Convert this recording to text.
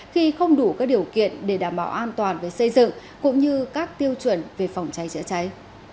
khi không đủ các điều kiện để đảm bảo an toàn về xây dựng cũng như các tiêu chuẩn về phòng cháy chữa cháy